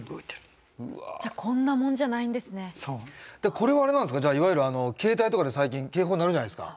これはあれなんですかいわゆる携帯とかで最近警報鳴るじゃないですか。